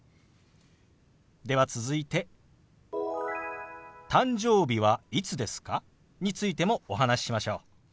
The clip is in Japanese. では続いて「誕生日はいつですか？」についてもお話ししましょう。